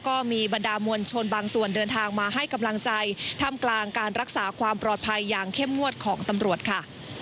ก็มีบรรดามวลชนบางส่วนเดินทางมาให้กำลังใจท่ามกลางการรักษาความปลอดภัยอย่างเข้มงวดของตำรวจค่ะ